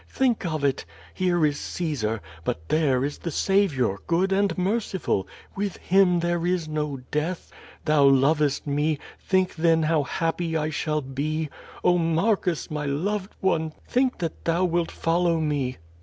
Think of it. Here is Caesar, but there is the Saviour, good and merciful; with him there is no death. Thou lovest me; think then how happy I shall be; Oh, Mar cus, my loved one, think that thou wilt follow me."